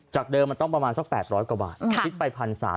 เดิมมันต้องประมาณสัก๘๐๐กว่าบาทคิดไป๑๓๐๐บาท